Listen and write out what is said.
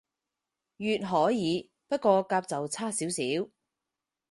乙可以，不過甲就差少少